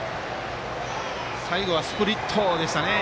最後はスプリットでした。